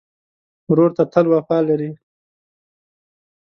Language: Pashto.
ورور ته تل وفا لرې.